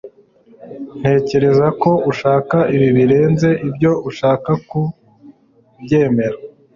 ntekereza ko ushaka ibi birenze ibyo ushaka kubyemera